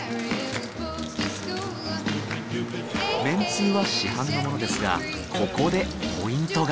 めんつゆは市販のものですがここでポイントが。